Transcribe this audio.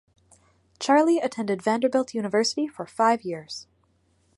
Charley attended Vanderbilt University for five years.